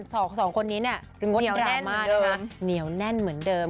สองคนนี้เนี่ยเนียวแน่นเหมือนเดิม